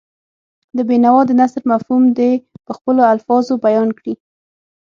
د بېنوا د نثر مفهوم دې په خپلو الفاظو بیان کړي.